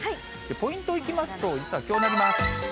ポイントいきますと、実はこうなります。